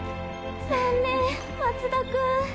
残念松田君。